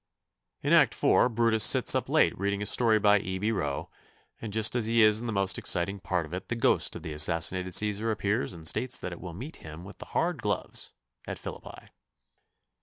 In act 4 Brutus sits up late reading a story by E. P. Roe, and just as he is in the most exciting part of it the ghost of the assassinated Cæsar appears and states that it will meet him with hard gloves at Philippi.